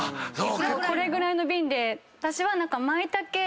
これぐらいの瓶で私は。